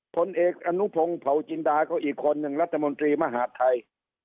ผลเอกอนุพงศ์เผาจินดาก็อีกคนหนึ่งรัฐมนตรีมหาดไทย